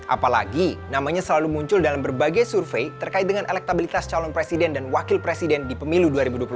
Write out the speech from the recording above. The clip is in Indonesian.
apalagi namanya selalu muncul dalam berbagai survei terkait dengan elektabilitas calon presiden dan wakil presiden di pemilu dua ribu dua puluh empat